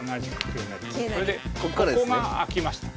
これでここが空きました。